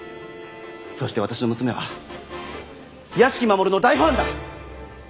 そして私の娘は屋敷マモルの大ファンだ！